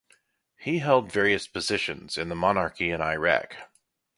He held various positions in the monarchy in Iraq.